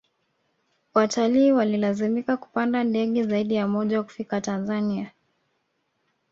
watalii walilazimika kupanda ndege zaidi ya moja kufika tanzania